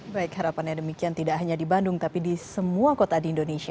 baik harapannya demikian tidak hanya di bandung tapi di semua kota di indonesia